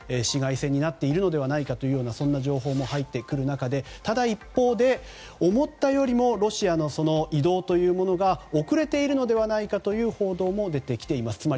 市街戦になっているのではないかという情報も入ってくる中でただ一方で、思ったよりもロシアの移動というものが遅れているのではないかという報道も出てきています。